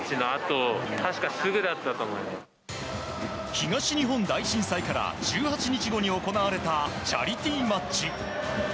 東日本大震災から１８日後に行われたチャリティーマッチ。